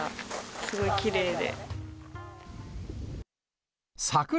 すごいきれいで。